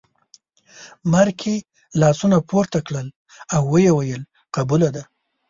مرکې لاسونه پورته کړل او ویې ویل قبوله ده.